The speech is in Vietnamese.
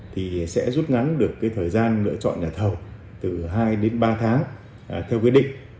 thì sẽ rút ngắn được cái thời gian lựa chọn nhà thầu từ hai đến ba tháng theo quyết định